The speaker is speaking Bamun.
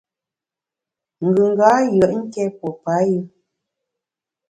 Ngùnga yùet nké pue payù.